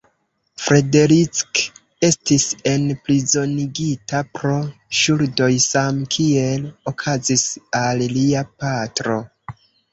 Frederick estis enprizonigita pro ŝuldoj, same kiel okazis al lia patro.